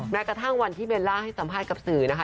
แม้กระทั่งวันที่เบลล่าให้สัมภาษณ์กับสื่อนะคะ